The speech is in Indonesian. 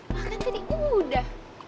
makan tadi udah